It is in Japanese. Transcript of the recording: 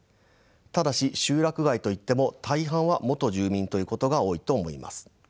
ただし集落外といっても大半は元住民ということが多いと思います。